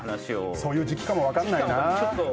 そういう時期かも分かんないな。